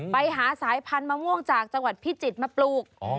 ไปหาสายพันธุมะม่วงจากจังหวัดพิจิตรมาปลูก